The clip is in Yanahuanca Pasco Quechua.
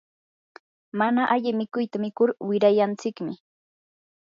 mana alli mikuyta mikur wirayanchikmi.